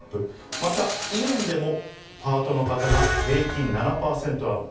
また、イオンでもパートの方が平均７％アップ。